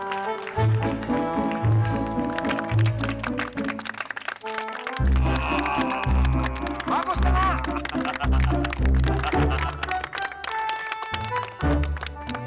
dan sekarang perwakilan dari sekolah putri yang terkitar adalah putri